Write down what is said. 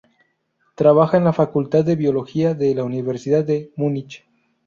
Trabaja en la "Facultad de Biología", de la Universidad de Múnich.